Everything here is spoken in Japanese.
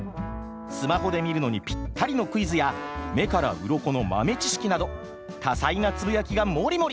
スマホで見るのにピッタリのクイズや目からウロコの豆知識など多彩なつぶやきがモリモリ！